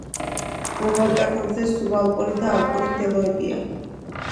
უღელტეხილზე სუბალპური და ალპური მდელოებია.